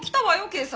警察。